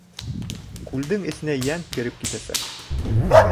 Күлдең эсенә йән кереп китәсәк.